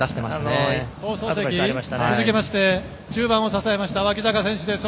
続きまして、中盤を支えました脇坂選手です。